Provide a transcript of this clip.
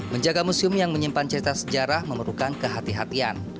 menjaga museum yang menyimpan cerita sejarah memerlukan kehatian